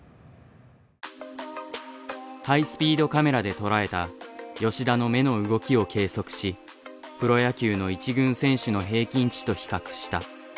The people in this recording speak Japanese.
ハイスピードカメラでとらえた吉田の目の動きを計測しプロ野球の１軍選手の平均値と比較した。